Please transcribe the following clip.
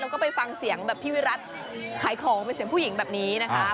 แล้วก็ไปฟังเสียงแบบพี่วิรัติขายของเป็นเสียงผู้หญิงแบบนี้นะคะ